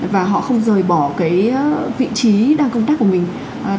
và họ không rời bỏ cái vị trí đang công tác của mình